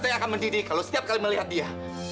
saya akan mendidik kalau setiap kali melihat dia